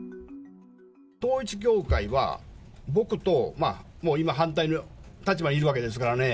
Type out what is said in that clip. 統一教会は、僕と今、反対の立場にいるわけですからね。